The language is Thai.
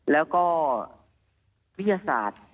แล้วก็วิทยาศาสตร์